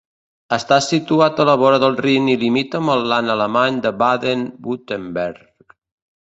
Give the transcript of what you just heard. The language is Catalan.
Està situat a la vora del Rin i limita amb el land alemany de Baden-Württemberg.